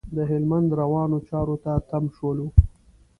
د هلمند روانو چارو ته تم شولو.